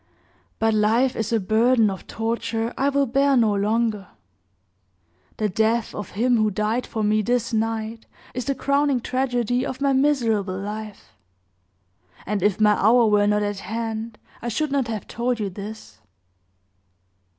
But life is a burden of torture I will bear no longer. The death of him who died for me this night is the crowning tragedy of my miserable life; and if my hour were not at hand, I should not have told you this."